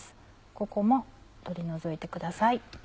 ここも取り除いてください。